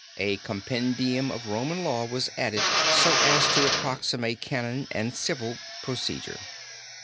A compendium of Roman Law was added so as to approximate canon and civil procedure.